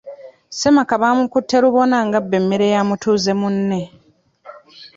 Ssemaka bamukutte lubona nga abba emmere ya mutuuze munne.